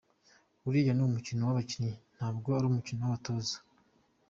Uriya ni umukino w’abakinnyi ntabwo ari umukino w’abatoza.